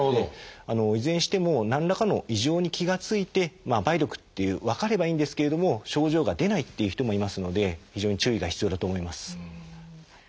いずれにしても何らかの異常に気が付いて梅毒って分かればいいんですけれども症状が出ないという人もいますので非常に注意が必要だと思います。